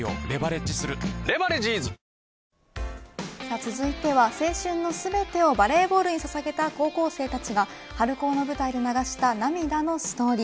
続いては、青春の全てをバレーボールにささげた高校生たちが春高の舞台で流した涙のストーリー。